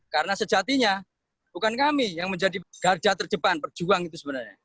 karena sejatinya bukan kami yang menjadi garda terdepan perjuang itu sebenarnya